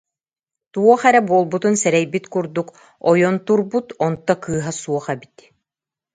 Туох эрэ буолбутун сэрэйбит курдук, ойон турбут, онто кыыһа суох эбит